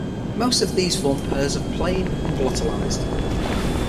Most of these form pairs of plain and glottalized.